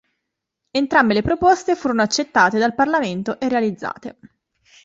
Entrambe le proposte furono accettate dal parlamento e realizzate.